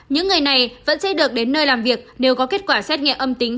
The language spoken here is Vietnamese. những người này vẫn sẽ được đến nơi làm việc nếu có kết quả xét nghiệm âm tính